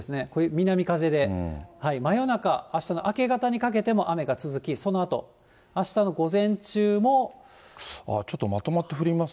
南風で、真夜中、明け方にかけても雨が続き、そのあと、ちょっとまとまって降ります